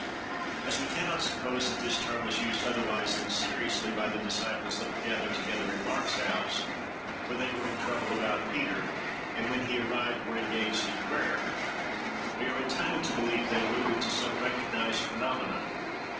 As we can not suppose that this term was used otherwise than seriously by the disciples that were gathered together in Mark's house, for they were in trouble about Peter, and, when he arrived, were engaged in prayer, we are entitled to believe they alluded to some recognised phenomenon.